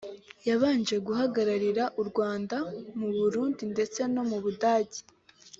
yabanje guhagararira u Rwanda mu Burundi ndetse no mu Budage